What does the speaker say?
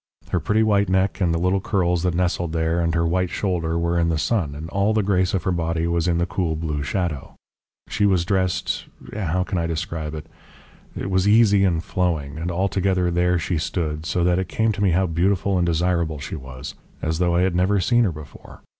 Her pretty white neck and the little curls that nestled there, and her white shoulder were in the sun, and all the grace of her body was in the cool blue shadow. She was dressed how can I describe it? It was easy and flowing. And altogether there she stood, so that it came to me how beautiful and desirable she was, as though I had never seen her before.